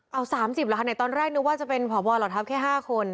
เอ้า๓๐หรอในตอนแรกนึกว่าจะเป็นผวหลทัพแค่๕คน